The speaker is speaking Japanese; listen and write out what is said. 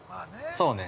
◆そうね。